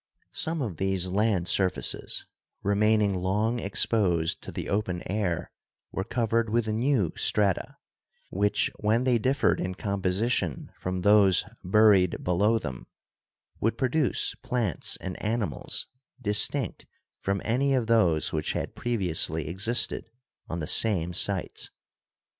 Some of these land surfaces, remaining long exposed to the open air, were covered with new strata, which when they differed in composition from those buried below them, would pro duce plants and animals distinct from any of those which had previously existed on the same sites.